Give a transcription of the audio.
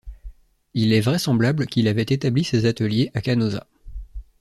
Il est vraisemblable qu'il avait établi ses ateliers à Canosa.